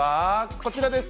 こちらです。